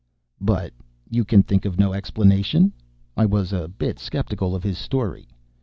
"But.... You can think of no explanation?" I was a bit skeptical of his story.